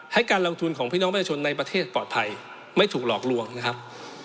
ให้การลงทุนของพี่น้องประชาชนในประเทศปลอดภัยไม่ถูกหลอกลวงนะครับ